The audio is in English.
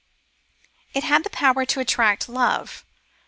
It had the power to attract love.